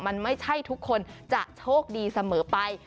มันไม่ใช่ทุกคนจะโชคดีเสมอไป